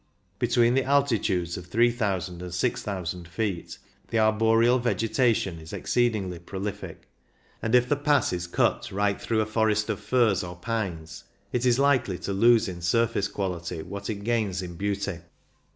Between the altitudes of 3,000 and 6,000 feet the arboreal vegetation is exceedingly prolific, and if the pass is cut 198 CYCLING IN THE ALPS right through a forest of firs or pines, it is likely to lose in surface quality what it gains in beauty.